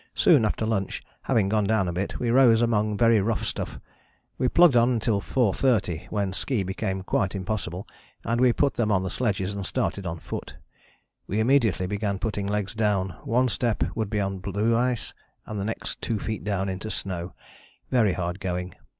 Soon after lunch, having gone down a bit, we rose among very rough stuff. We plugged on until 4.30, when ski became quite impossible, and we put them on the sledges and started on foot. We immediately began putting legs down: one step would be on blue ice and the next two feet down into snow: very hard going.